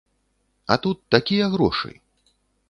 А тут такія грошы!